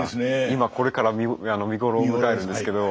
今これから見頃を迎えるんですけど。